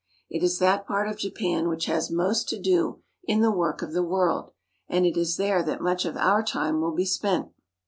It is that part of Japan which has most to do in the work of the world, and it is there that much of our time will be spent.